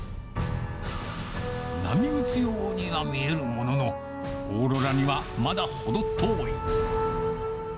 波打つようには見えるものの、オーロラにはまだ程遠い。